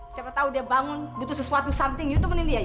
siapa tau dia bangun butuh sesuatu something iu temenin dia iu